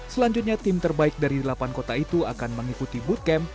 selanjutnya tim terbaik dari delapan kota itu akan mengikuti bootcamp